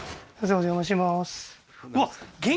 お邪魔します